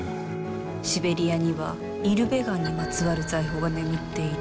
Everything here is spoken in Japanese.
シベリアにはイルベガンにまつわる財宝が眠っている。